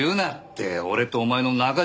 俺とお前の仲じゃないの。